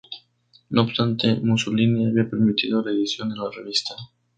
No obstante, Mussolini había permitido la edición de la revista.